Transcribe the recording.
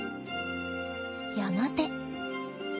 やがて。